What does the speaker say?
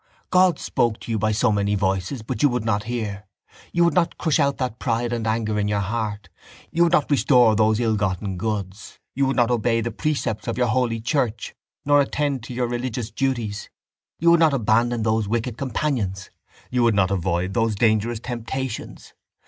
God spoke to you by so many voices, but you would not hear. You would not crush out that pride and anger in your heart, you would not restore those ill gotten goods, you would not obey the precepts of your holy church nor attend to your religious duties, you would not abandon those wicked companions, you would not avoid those dangerous temptations.